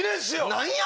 何や？